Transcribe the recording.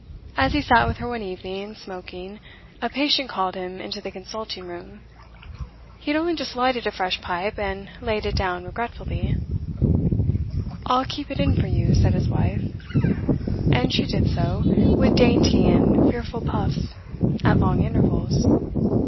As he sat with her one evening, smoking, a patient called him into the consulting room. He had only just lighted a fresh pipe, and laid it down regretfully. 'I'll keep it in for you,' said his wife. And she did so, with dainty and fearful puffs, at long intervals.